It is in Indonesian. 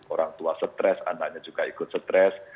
orang tua stres anaknya juga ikut stres